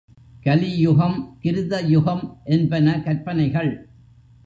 கலியுகம் கிருதயுகம்என்பன கற்பனைகள்.